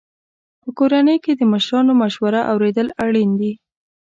په کورنۍ کې د مشرانو مشوره اورېدل اړین دي.